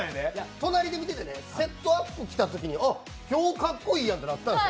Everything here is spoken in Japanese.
隣で見てて、セットアップ着たときに、今日かっこええやんてなったんです。